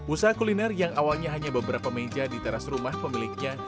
usaha kuliner yang awalnya hanya beberapa meja di teras rumah pemiliknya